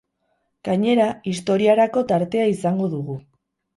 Gainera, historiarako tartea izango dugu.